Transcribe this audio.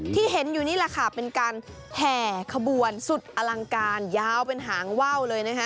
ที่เห็นอยู่นี่แหละค่ะเป็นการแห่ขบวนสุดอลังการยาวเป็นหางว่าวเลยนะคะ